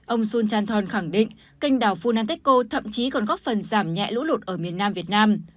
ông sun chanthong khẳng định kênh đảo phunanteco thậm chí còn góp phần giảm nhẹ lũ lụt ở miền nam việt nam